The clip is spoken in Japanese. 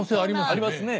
ありますね。